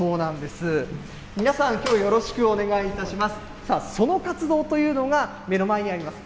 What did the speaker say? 皆さん、きょう、よろしくお願いします。